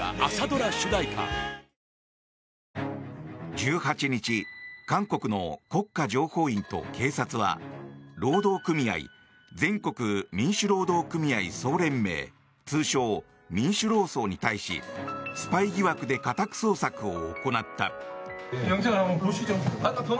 １８日韓国の国家情報院と警察は労働組合全国民主労働組合総連盟通称・民主労総に対しスパイ疑惑で家宅捜索を行った。